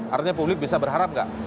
artinya publik bisa berharap nggak